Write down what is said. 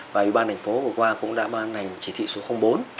và ubnd phố vừa qua cũng đã ban hành chỉ thị số bốn